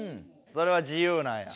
それは自由なんや。